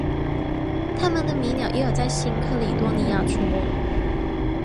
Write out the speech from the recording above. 它们的迷鸟也有在新喀里多尼亚出没。